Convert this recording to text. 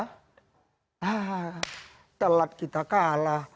haa telat kita kalah